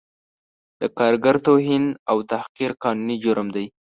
د کارګر توهین او تحقیر قانوني جرم دی